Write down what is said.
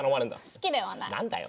好きではない。